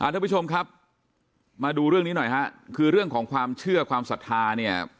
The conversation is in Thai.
ทุกผู้ชมครับมาดูเรื่องนี้หน่อยฮะคือเรื่องของความเชื่อความศรัทธาเนี่ย